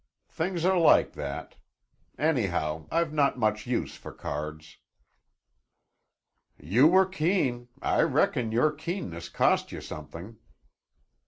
Things are like that. Anyhow I've not much use for cards." "You were keen. I reckon your keenness cost you something!"